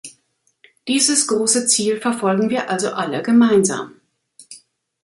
Dieses große Ziel verfolgen wir also alle gemeinsam.